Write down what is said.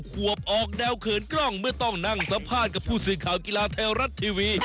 ขวบออกแดวเขินกล้องเมื่อต้องนั่งสัมภาษณ์